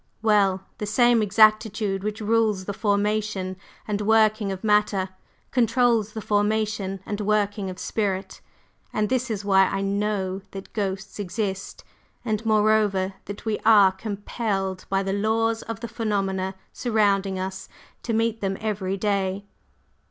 Well, the same exactitude which rules the formation and working of Matter controls the formation and working of Spirit; and this is why I know that ghosts exist, and, moreover, that we are compelled by the laws of the phenomena surrounding us to meet them every day."